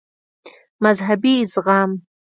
مذهبي زغم